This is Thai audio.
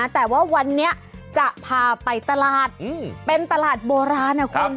แต่ว่าวันนี้จะพาไปตลาดเป็นตลาดโบราณนะคุณ